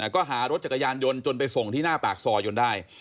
ก็หารถจักรยานยนต์จนไปส่งที่หน้าปากซอยจนได้